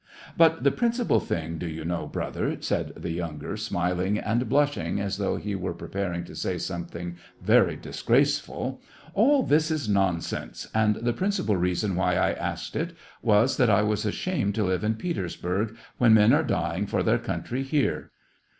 " But the principal thing, do you know, brother," said the younger, smiling and blushing as though he were preparing to say something very disgraceful, " all this is nonsense, and the principal reason why I asked it was that I was ashamed to live in Petersburg when men are dy ing for their country here.